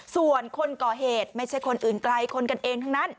ส่วนคนก่อเหตุไม่ใช่คนอื่นไกลคนกันเองทั้งนั้น